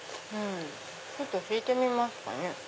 ちょっと聞いてみますかね。